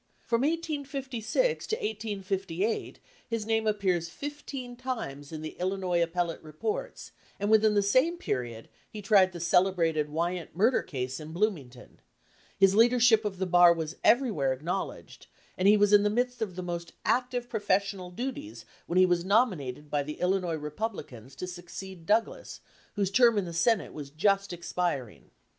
From 1856 to 1858 his name appears fifteen times in the Illinois appellate reports, and within the same period he tried the celebrated Wyant 269 LINCOLN THE LAWYER murder case in Bloomington ; his leadership of the bar was everywhere acknowledged, and he was in the midst of the most active professional duties when he was nominated by the Illinois Republicans to succeed Douglas, whose term in the Senate was just expiring.